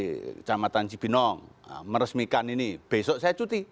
di kecamatan cibinong meresmikan ini besok saya cuti